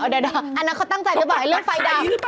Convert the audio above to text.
เดี๋ยวอันนั้นเขาตั้งใจหรือเปล่าเรื่องไฟดำ